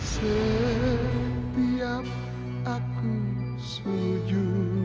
setiap aku setuju